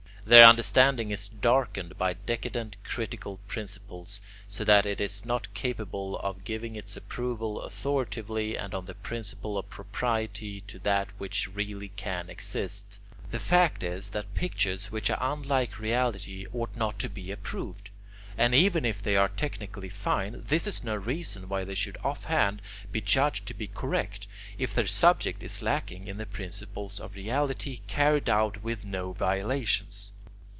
Their understanding is darkened by decadent critical principles, so that it is not capable of giving its approval authoritatively and on the principle of propriety to that which really can exist. The fact is that pictures which are unlike reality ought not to be approved, and even if they are technically fine, this is no reason why they should offhand be judged to be correct, if their subject is lacking in the principles of reality carried out with no violations.